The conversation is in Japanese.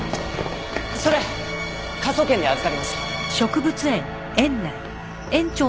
それ科捜研で預かります。